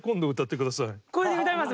これで歌います！